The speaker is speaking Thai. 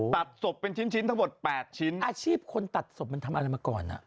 ตัดศพเป็นชิ้นชิ้นทั้งหมด๘ชิ้นอาชีพคนตัดศพมันทำอะไรมาก่อนอ่ะ